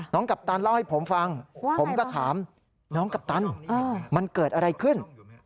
กัปตันเล่าให้ผมฟังผมก็ถามน้องกัปตันมันเกิดอะไรขึ้น